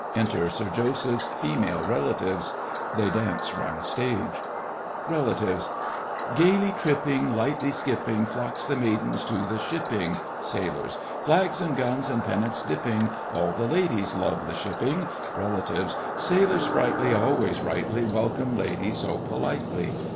Enter SIR JOSEPH'S FEMALE RELATIVES (They dance round stage) REL. Gaily tripping, Lightly skipping, Flock the maidens to the shipping. SAILORS. Flags and guns and pennants dipping! All the ladies love the shipping. REL. Sailors sprightly Always rightly Welcome ladies so politely.